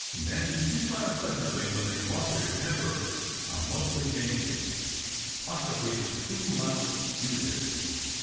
Men who smile pleasantly when they have lost their temper are mostly dangerous. Possibly the two louts knew this.